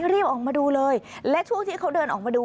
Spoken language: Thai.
รีบออกมาดูเลยและช่วงที่เขาเดินออกมาดู